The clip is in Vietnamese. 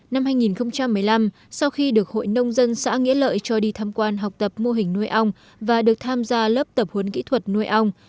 năm hai nghìn một mươi năm sau khi được hội nông dân xã nghĩa lợi cho đi tham quan học tập mô hình nuôi ong và được tham gia lớp tập huấn kỹ thuật nuôi ong